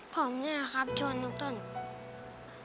ผมเนี่ยครับชวนน้องต้น